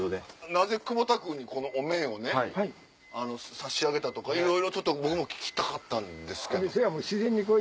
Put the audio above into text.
なぜ久保田君にお面を差し上げたかとかいろいろ僕聞きたかったんです。